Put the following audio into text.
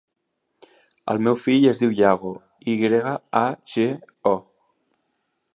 El meu fill es diu Yago: i grega, a, ge, o.